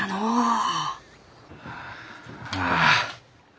ああ。